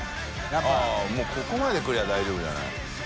◆舛もうここまでくれば大丈夫じゃない？